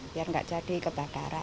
biar nggak jadi kebakaran